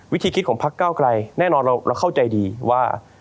วิธีคิดของพักเก้าไกลแน่นอนเราเข้าใจดีว่า